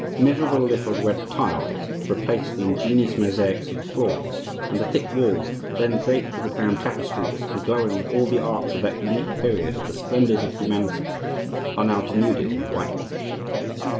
Miserable little red tiles have replaced the ingenious mosaics of the floors; and the thick walls, then draped with the crown tapestries and glowing with all the arts of that unique period of the splendors of humanity, are now denuded and whitewashed!